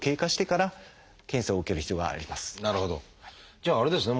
じゃああれですね